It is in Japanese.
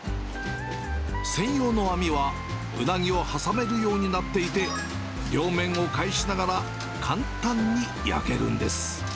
専用の網は、うなぎを挟めるようになっていて、両面を返しながら、簡単に焼けるんです。